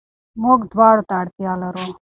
موږ دواړو ته اړتيا لرو.